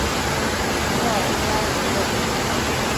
诺尔日拉维勒。